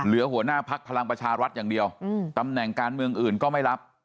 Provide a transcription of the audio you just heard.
หัวหน้าพักพลังประชารัฐอย่างเดียวตำแหน่งการเมืองอื่นก็ไม่รับ